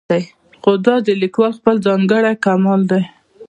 خو دا د لیکوال خپل ځانګړی کمال دی.